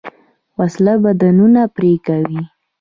وسله بدنونه پرې کوي